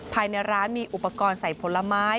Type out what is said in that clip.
ภายในร้านมีอุปกรณ์ใส่ผลไม้